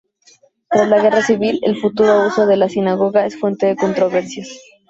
Tras la guerra civil, el futuro uso de la sinagoga es fuente de controversias.